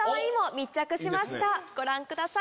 ご覧ください。